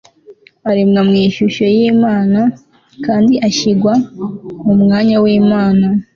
aremwa mu ishusho y'imana, kandi ashyirwa mu mwanya w'imana